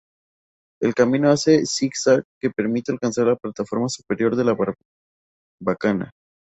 El camino hace un zigzag que permite alcanzar la plataforma superior de la barbacana.